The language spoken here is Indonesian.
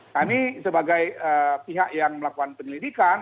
kami sebagai pihak yang melakukan penyelidikan